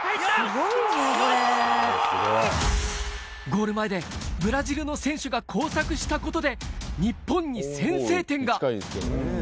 ゴール前でブラジルの選手が交錯したことで日本に先制点が！